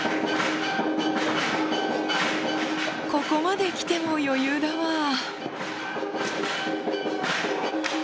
ここまで来ても余裕だわ。